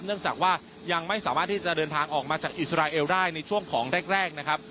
เนื่องจากว่ายังไม่สามารถที่จะเดินทางออกมาจากอิสราเอลได้ในช่วงของแรกนะครับ